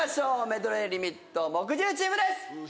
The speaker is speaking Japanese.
メドレーリミット木１０チームです。